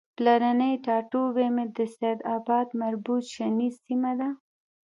پلرنی ټاټوبی مې د سیدآباد مربوط شنیز سیمه ده